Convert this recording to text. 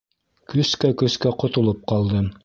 Көскә-көскә ҡотолоп ҡалдым.